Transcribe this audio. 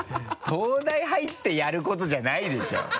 東大入ってやることじゃないでしょ。